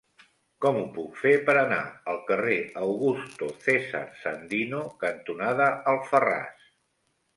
Com ho puc fer per anar al carrer Augusto César Sandino cantonada Alfarràs?